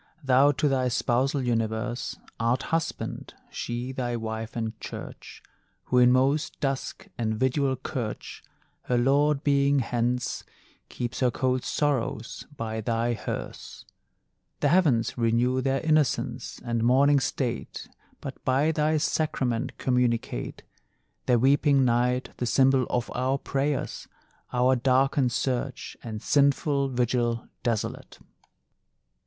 Thou to thy spousal universe Art Husband, she thy Wife and Church; Who in most dusk and vidual curch, Her Lord being hence, Keeps her cold sorrows by thy hearse. The heavens renew their innocence And morning state But by thy sacrament communicate; Their weeping night the symbol of our prayers, Our darkened search, And sinful vigil desolate.